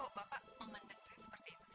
mengapa bapak mengandalkan saya seperti itu